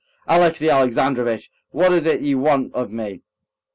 "Alexey Alexandrovitch! What is it you want of me?"